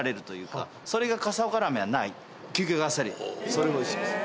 それがおいしいです。